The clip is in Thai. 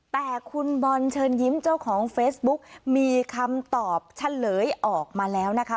แต่คุณบอลเชิญยิ้มเจ้าของเฟซบุ๊กมีคำตอบเฉลยออกมาแล้วนะคะ